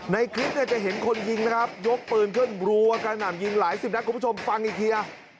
ในคลิปเนี่ยจะเห็นคนยิงนะครับยกปืนขึ้นรัวกระหน่ำยิงหลายสิบนัดคุณผู้ชมฟังอีกที